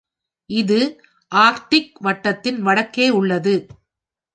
இது ஆர்க்டிக் வட்டத்தின் வடக்கே உள்ளது.